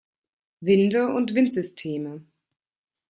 Winde und Windsysteme